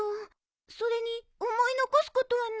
それに思い残すことはないって。